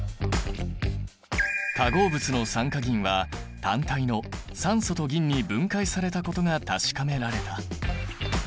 化合物の酸化銀は単体の酸素と銀に分解されことが確かめられた。